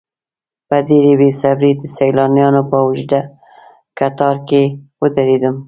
په ډېرې بې صبرۍ د سیلانیانو په اوږده کتار کې ودرېدم.